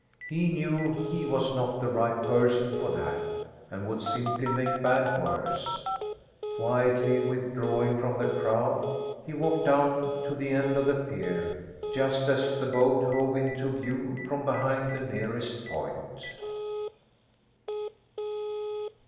He knew he was not the right person for that, and would simply make bad worse. Quietly withdrawing from the crowd, he walked down to the end of the pier just as the boat hove into view from behind the nearest point.